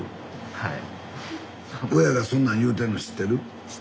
はい。